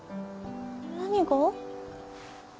何が？